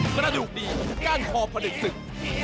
กระดูกดีก้านคอผลิตศึก